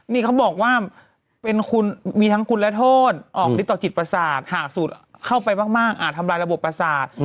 นี่เขาบอกว่าเป็นคุณมีทั้งคุณและโทษออกฤทธิต่อจิตประสาทหากสูตรเข้าไปมากอาจทำลายระบบประสาท